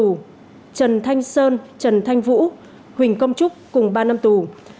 tù trần thanh sơn trần thanh vũ huỳnh công trúc cùng ba năm tù